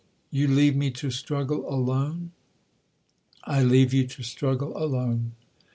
"You leave me to struggle alone?" "I leave you to struggle alone."